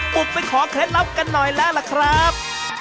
บุกไปขอเคล็ดลับกันหน่อยแล้วล่ะครับ